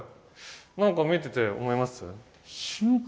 何か見てて思います？